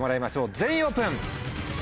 全員オープン！